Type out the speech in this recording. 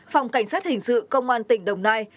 phòng cảnh sát hình sự công an tỉnh đồng nai